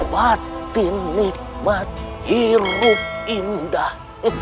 batin nikmat hirup indah